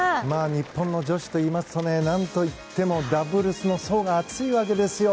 日本の女子といいますと何といってもダブルスの層が厚いわけですよ。